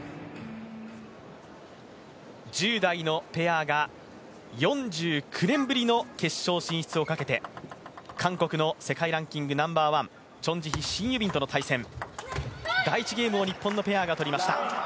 １０代のペアが、４９年ぶりの決勝進出をかけて、韓国の世界ランキングナンバーワンチョン・ジヒ、シン・ユビンとの対戦第１ゲームを日本のペアが取りました。